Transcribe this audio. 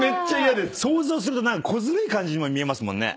想像すると小ずるい感じにも見えますもんね。